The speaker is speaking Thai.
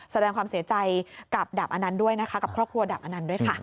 แสดงความเสียใจกับครอบครัวดาบอนันต์ด้วยค่ะ